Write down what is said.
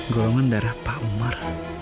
golongan darah pak umar